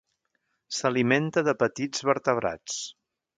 S'alimenta de petits vertebrats.